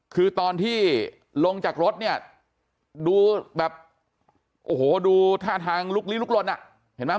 คือตอนที่ลงจากรถเนี่ยดูแบบโอ้โหดูท่าทางลุกลี้ลุกลนอ่ะเห็นไหม